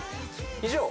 以上。